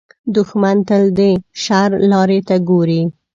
دښمن تل د شر لارې ته ګوري